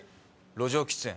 路上喫煙。